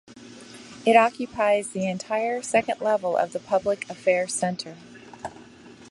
It occupies the entire second level of the Public Affairs Center.